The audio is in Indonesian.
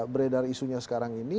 beredar isunya sekarang ini